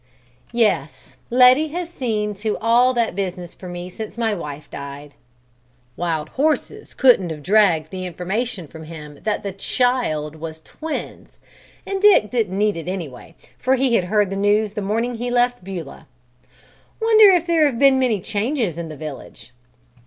"Yes; Letty has seen to all that business for me since my wife died." (Wild horses couldn't have dragged the information from him that the "child" was "twins," and Dick didn't need it anyway, for he had heard the news the morning he left Beulah.) "Wonder if there have been many changes in the village?"